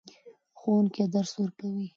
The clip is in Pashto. ښوونکي درس ورکوې.